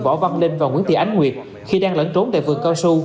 võ văn linh và nguyễn tị ánh nguyệt khi đang lẫn trốn tại vườn cao su